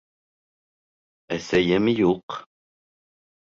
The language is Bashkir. Әсәйем юҡ.